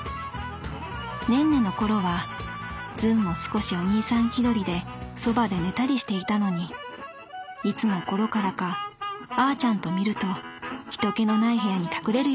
ねんねの頃はズンも少しお兄さん気取りでそばで寝たりしていたのにいつの頃からかあーちゃんと見ると人気のない部屋に隠れるようになった。